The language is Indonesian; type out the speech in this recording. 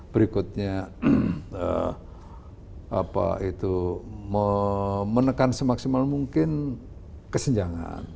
berikutnya menekan semaksimal mungkin kesenjangan